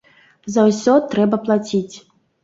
За ўсё трэба плаціць.